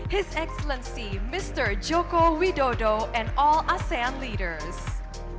tuan joko widodo dan semua pemimpin asean